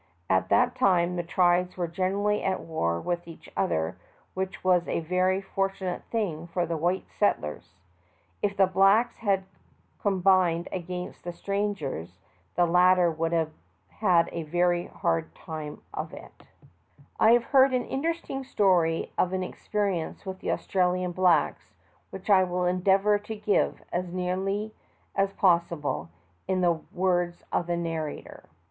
At that time the tribes were generally at war with each other, which was a very fortunate thing for the white settlers. If the blacks had combined against the strangers the latter would have had a very hard time of it. 200 THE TALKING HANDKERCHIEF. I have heard an interesting story of an expe* rienee with the Australian blaeks which I will endeavor to give, as nearly as possible, in the words of the narrator.